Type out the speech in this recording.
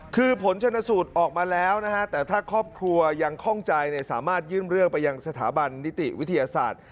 คือผลชนสูตรออกมาแล้วนะฮะแต่ถ้าครอบครัวยังคล่องใจสามารถยื่นเรื่องไปยังสถาบันนิติวิทยาศาสตร์